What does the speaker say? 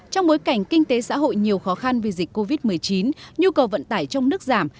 trong bối cảnh kinh tế xã hội nhiều khó khăn vì dịch covid một mươi chín nhu cầu vận tải trong nước giảm